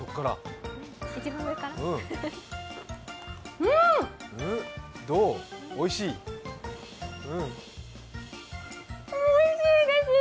うん、おいしいです。